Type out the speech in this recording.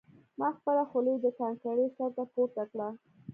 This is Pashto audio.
ما خپله خولۍ د کانکریټ سر ته پورته کړه